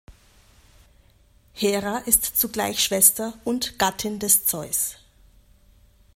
Hera ist zugleich Schwester und Gattin des Zeus.